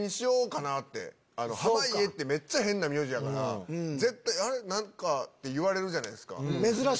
濱家ってめっちゃ変な名字やからあれ？って言われるじゃないですか。